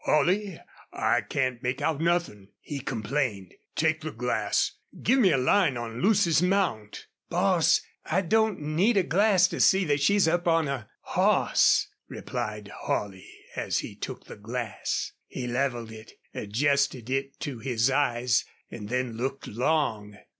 "Holley, I can't make out nothin'," he complained. "Take the glass. Give me a line on Lucy's mount." "Boss, I don't need the glass to see that she's up on a HOSS," replied Holley, as he took the glass. He leveled it, adjusted it to his eyes, and then looked long.